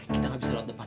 kita gak bisa lewat depan